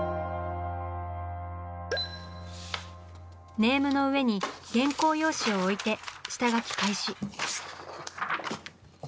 ネームの上に原稿用紙を置いて下描き開始。